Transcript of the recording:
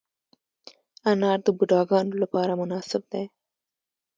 انار د بوډاګانو لپاره مناسب دی.